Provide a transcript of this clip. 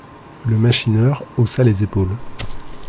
Le machineur haussa les épaules.